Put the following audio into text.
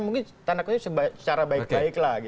mungkin tanda kutip secara baik baik lah